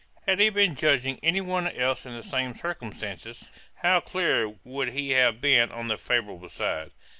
Had he been judging of any one else in the same circumstances, how clear would he have been on the favourable side.